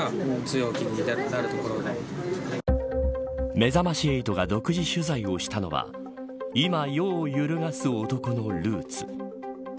めざまし８が独自取材をしたのは今、世を揺るがす男のルーツ。